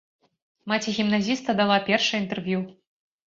Маці гімназіста дала першае інтэрв'ю.